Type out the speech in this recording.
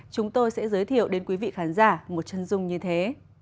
chúng tôi sẽ giới thiệu đến quý vị khán giả một chân dung như thế